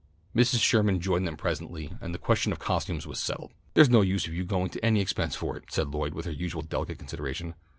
Mrs. Sherman joined them presently, and the question of costumes was settled. "There's no use of yoah going to any expense for one," said Lloyd, with her usual delicate consideration.